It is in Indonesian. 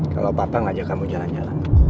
kalau papa ngajak kamu jalan jalan